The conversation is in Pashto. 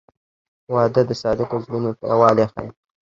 • واده د صادقو زړونو یووالی ښیي.